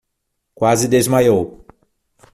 Quase desmaiou